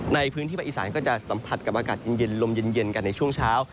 ในพื้นที่ภาคอีสานก็จะสัมผัสกับอากาศเย็นลมเย็นกันในช่วงเช้า